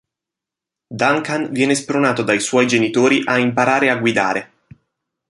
Duncan viene spronato dai suoi genitori a imparare a guidare.